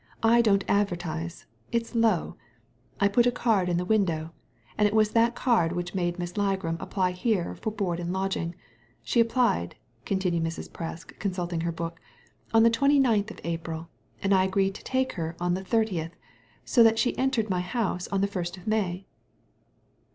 "I don't advertise : it's low. I put a card in the window, and it was that card which made Miss Ligram apply here for board and lodging. She applied/' con tinued Mrs. Presk, consulting her book, •'on the twenty ninth of April, and I agreed to take her on the thirtieth ; so that she entered my house on the first of May."